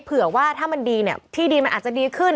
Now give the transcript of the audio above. เผื่อว่าถ้ามันดีเนี่ยที่ดีมันอาจจะดีขึ้น